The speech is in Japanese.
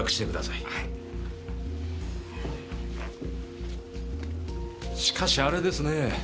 はいしかしあれですね